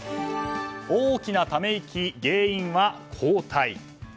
大きなため息、原因は交代。